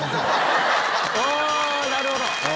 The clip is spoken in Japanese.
なるほど。